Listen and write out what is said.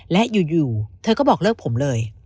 และอยู่เธอก็บอกเลิกผมเลย